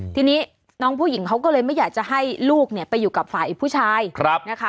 ทีนี้น้องผู้หญิงเขาก็เลยไม่อยากจะให้ลูกเนี่ยไปอยู่กับฝ่ายผู้ชายนะคะ